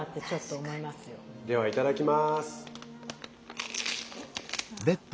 ではいただきます。